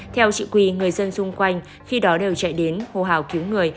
theo chị quỳ người dân xung quanh khi đó đều chạy đến hô hào cứu người